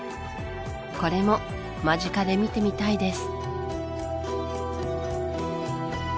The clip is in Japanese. これも間近で見てみたいです